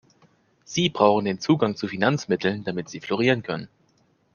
Sie brauchen den Zugang zu Finanzmitteln, damit sie florieren können.